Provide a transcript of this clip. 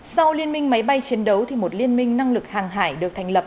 sau liên minh máy bay chiến đấu một liên minh năng lực hàng hải được thành lập